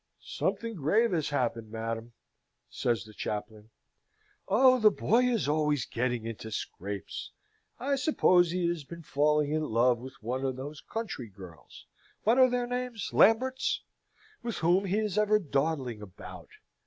"Something grave has happened, madam," says the chaplain. "Oh! The boy is always getting into scrapes! I suppose he has been falling in love with one of those country girls what are their names, Lamberts? with whom he is ever dawdling about.